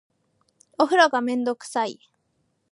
お風呂がめんどくさい